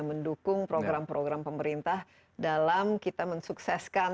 mendukung program program pemerintah dalam kita mensukseskan